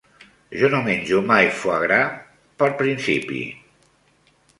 Jo no menjo mai foie-gras per principi.